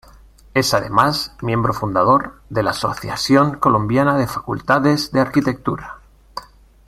Es además miembro fundador de la Asociación Colombiana de Facultades de Arquitectura.